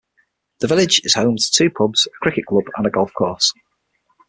The village is home to two pubs, a cricket club, and a golf course.